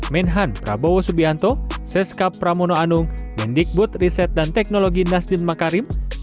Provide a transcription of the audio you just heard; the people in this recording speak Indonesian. menhan prabowo subianto seskap pramono anung mendikbud riset dan teknologi nasdin makarim